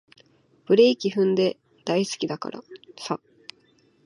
ブレーキ踏んでも大好きだからさ